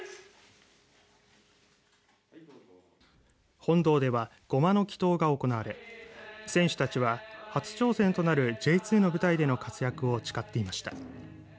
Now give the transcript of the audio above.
本堂では護摩の祈とうが行われ選手たちは初挑戦となるＪ２の舞台での活躍を誓っていました。